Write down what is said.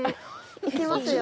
いきますよ。